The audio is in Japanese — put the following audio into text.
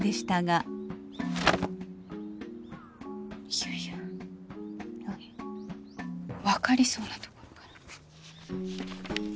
いやいや分かりそうなところがら。